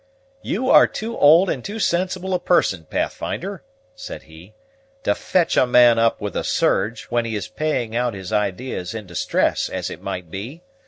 "You are too old and too sensible a person, Pathfinder," said he, "to fetch a man up with a surge, when he is paying out his ideas in distress, as it might be.